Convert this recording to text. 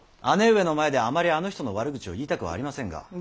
姉上の前であまりあの人の悪口を言いたくありませんが。